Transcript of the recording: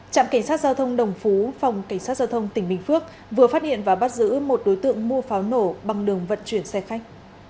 trạm cảnh sát giao thông đồng phú phòng cảnh sát giao thông tỉnh bình phước vừa phát hiện và bắt giữ một đối tượng mua pháo nổ bằng đường vận chuyển xe khách